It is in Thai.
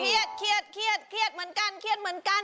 เครียดเครียดเครียดเครียดเหมือนกันเครียดเหมือนกัน